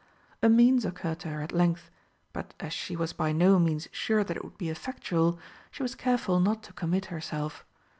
A means occurred to her at length, but as she was by no means sure that it would be effectual, she was careful not to commit herself.